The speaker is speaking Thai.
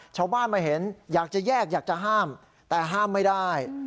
ชาวบ้านมาเห็นอยากจะแยกอยากจะห้ามแต่ห้ามไม่ได้